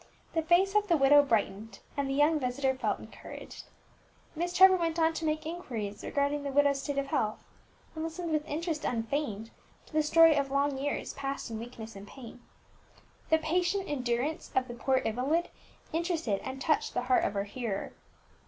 The face of the widow brightened, and the young visitor felt encouraged. Miss Trevor went on to make inquiries regarding the widow's state of health, and listened with interest unfeigned to the story of long years passed in weakness and pain. The patient endurance of the poor invalid interested and touched the heart of her hearer.